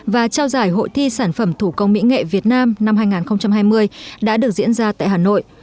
và trao giải hội thi sản phẩm thủ công mỹ nghệ việt nam năm hai nghìn hai mươi đã được diễn ra tại hà nội